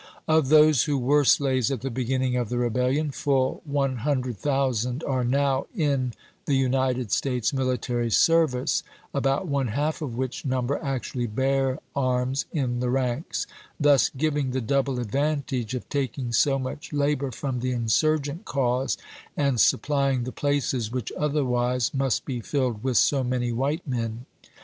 Of those who were slaves at the beginning of the re bellion, full one hundred thousand are now in the United States military service, about one half of which number actually bear arms in the ranks ; thus giving the double advantage of taking so much labor from the insurgent cause and supplying the places which otherwise must be filled with so many white men.